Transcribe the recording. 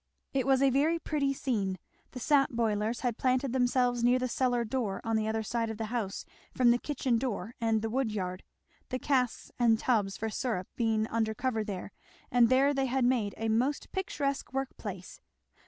It was a very pretty scene. The sap boilers had planted themselves near the cellar door on the other side of the house from the kitchen door and the wood yard; the casks and tubs for syrup being under cover there; and there they had made a most picturesque work place.